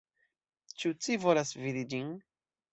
Ĉu ci volas vidi ĝin?